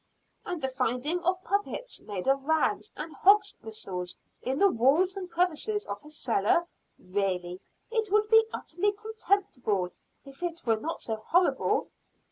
"And of the finding of puppets, made of rags and hogs' bristles, in the walls and crevices of her cellar! Really, it would be utterly contemptible if it were not so horrible."